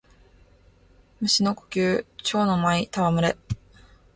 蟲の呼吸蝶ノ舞戯れ（ちょうのまいたわむれ）